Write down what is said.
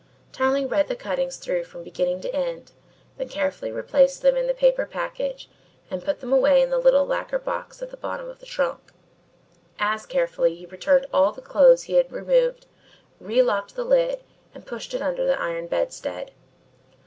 Tarling read the cuttings through from beginning to end, then carefully replaced them in the paper package and put them away in the little lacquer box at the bottom of the trunk. As carefully he returned all the clothes he had removed, relocked the lid and pushed it under the iron bedstead.